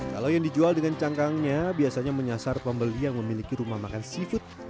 kalau yang dijual dengan cangkangnya biasanya menyasar pembeli yang memiliki rumah makan seafood